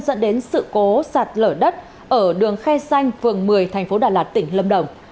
dẫn đến sự cố sạt lở đất ở đường khe xanh phường một mươi thành phố đà lạt tỉnh lâm đồng